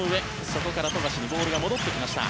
そこから富樫にボールが戻ってきました。